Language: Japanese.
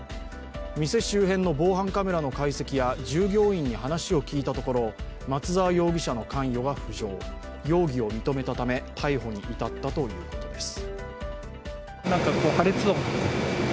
店周辺の防犯カメラの解析や従業員に話を聞いたところ松沢容疑者の関与が浮上容疑を認めたため逮捕に至ったということです。